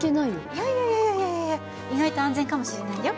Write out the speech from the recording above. いやいやいや意外と安全かもしれないよ。